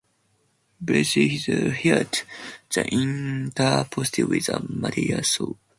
‘Bless his heart!’ she interposed, with a maternal sob.